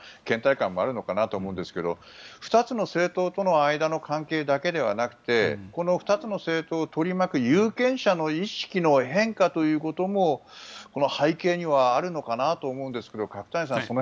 けん怠感もあるのかなと思いますが２つの政党との間の関係だけではなくてこの２つの政党を取り巻く有権者の意識の変化ということも背景にはあるのかなと思うんですけども角谷さん